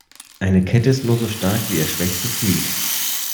Eine Kette ist nur so stark wie ihr schwächstes Glied.